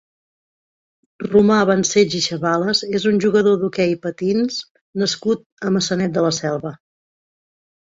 Romà Bancells i Chavales és un jugador d'hoquei patins nascut a Maçanet de la Selva.